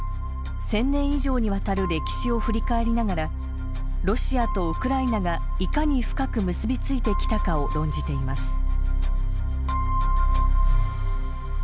１，０００年以上にわたる歴史を振り返りながらロシアとウクライナがいかに深く結びついてきたかを論じています。